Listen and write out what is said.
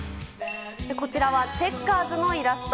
こちらはチェッカーズのイラスト。